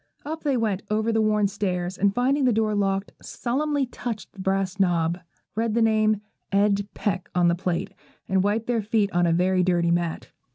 Up they went, over the worn stairs; and, finding the door locked, solemnly touched the brass knob, read the name 'Ed Peck' on the plate, and wiped their feet on a very dirty mat.